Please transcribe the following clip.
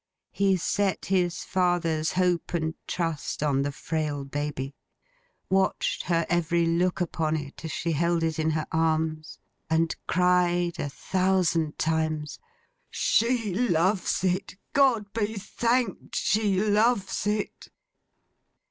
He set his father's hope and trust on the frail baby; watched her every look upon it as she held it in her arms; and cried a thousand times, 'She loves it! God be thanked, she loves it!